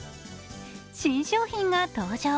新商品が登場。